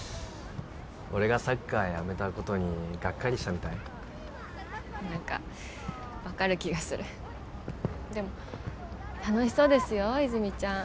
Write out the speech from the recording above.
俺がサッカーやめたことにがっかりしたみたい何か分かる気がするでも楽しそうですよ泉実ちゃん